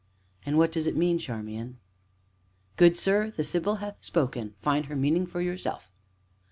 "And what does it mean, Charmian?" "Good sir, the sibyl hath spoken! Find her meaning for yourself."